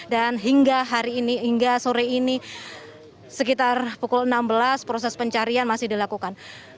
dan hingga hari ini hingga sore ini sekitar pukul enam belas proses pencarian masih dilakukan